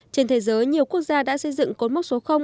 trên thế giới nhiều quốc gia đã xây dựng cột mốc số